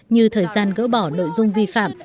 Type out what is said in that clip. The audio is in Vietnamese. như thời gian gỡ bỏ nội dung vi phạm